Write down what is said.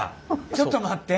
ちょっと待って。